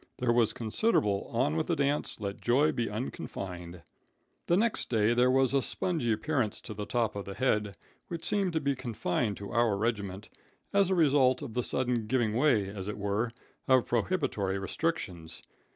There was considerable 'on with the dance, let joy be unconfined.' "The next day there was a spongy appearance to the top of the head, which seemed to be confined to our regiment, as a result of the sudden giving way, as it were, of prohibitory restrictions.